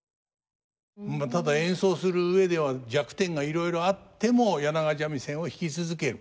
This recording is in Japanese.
ただ演奏する上では弱点がいろいろあっても柳川三味線を弾き続ける。